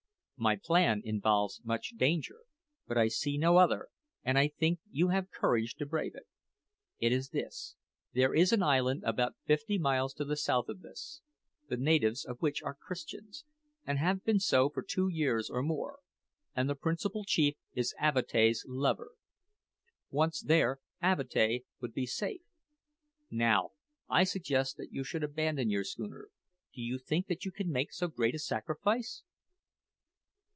"My plan involves much danger; but I see no other, and I think you have courage to brave it. It is this. There is an island about fifty miles to the south of this, the natives of which are Christians, and have been so for two years or more, and the principal chief is Avatea's lover. Once there, Avatea would be safe. Now, I suggest that you should abandon your schooner. Do you think that you can make so great a sacrifice?"